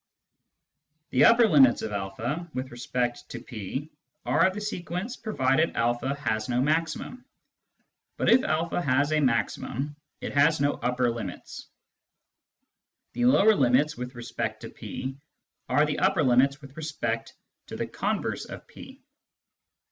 The " upper limits " of a with respect to P are the sequents provided a has no maximum ; but if a has a maximum, it has no upper limits. The " lower limits " with respect to P are the upper limits with respect to the converse of P.